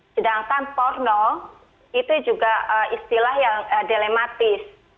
sedangkan porno itu juga istilah yang dilematis